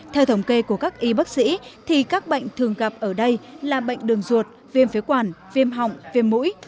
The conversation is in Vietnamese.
theo thống kê của các y bác sĩ thì các bệnh thường gặp ở đây là bệnh đường ruột viêm phế quản viêm họng viêm mũi